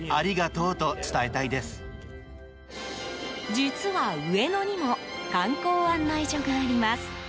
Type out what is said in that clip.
実は上野にも観光案内所があります。